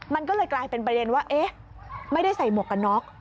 มันก็เลยกลายเป็นประเด็นว่าเอ๊ะไม่ได้ใส่หมวกกันน็อก